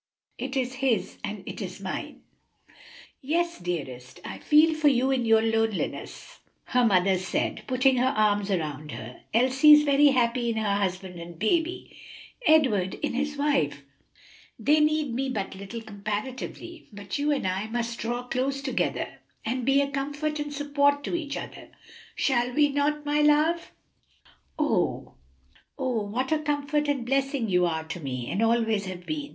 It is his and it is mine." "Yes, dearest. I feel for you in your loneliness," her mother said, putting her arms around her. "Elsie is very happy in her husband and baby, Edward in his wife; they need me but little, comparatively, but you and I must draw close together and be a comfort and support to each other; shall we not, my love?" "Yes, indeed, dearest mamma. Oh, what a comfort and blessing you are to me, and always have been!